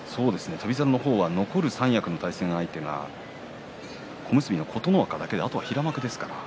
翔猿の方は残る三役の対戦相手は小結の琴ノ若だけあとは平幕です。